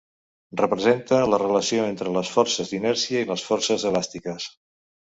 Representa la relació entre les forces d'inèrcia i les forces elàstiques.